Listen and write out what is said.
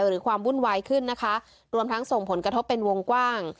หรือความวุ่นวายขึ้นนะคะรวมทั้งส่งผลกระทบเป็นวงกว้าง